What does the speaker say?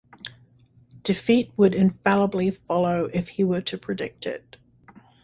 Defeat would infallibly follow if he were to predict it.